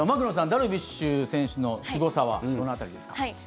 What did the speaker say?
ダルビッシュ選手のすごさはどの辺りですか？